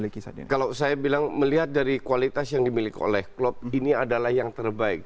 kalau saya bilang melihat dari kualitas yang dimiliki oleh klub ini adalah yang terbaik